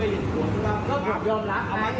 พี่เอามาเป็นสัตว์